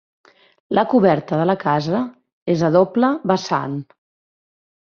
La coberta de la casa és a doble vessant.